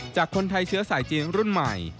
จากคนไทยเชื้อสายจีนรุ่นใหม่